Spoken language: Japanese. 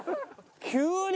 急に。